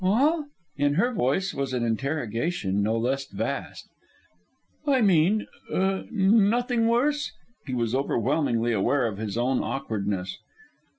"All?" In her voice was an interrogation no less vast. "I mean er nothing worse?" He was overwhelmingly aware of his own awkwardness.